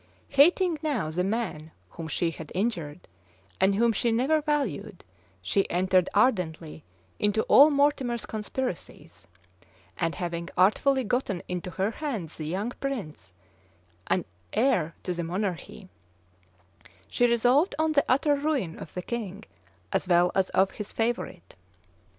Hating now the man whom she had injured, and whom she never valued, she entered ardently into all Mortimer's conspiracies; and having artfully gotten into her hands the young prince, and heir of the monarchy, she resolved on the utter ruin of the king, as well as of his favorite.